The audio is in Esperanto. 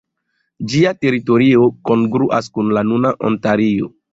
Ĝia teritorio kongruas kun la nuna Ontario.